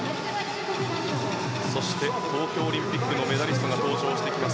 そして東京オリンピックのメダリストが登場してきます。